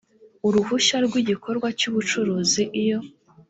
uruhushya rw igikorwa cy ubucuruzi iyo